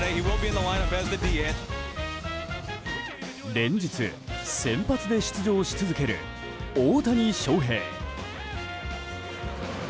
連日、先発で出場し続ける大谷翔平。